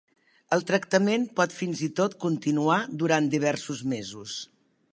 El tractament pot fins i tot continuar durant diversos mesos.